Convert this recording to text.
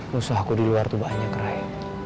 musuh aku di luar tuh banyak ray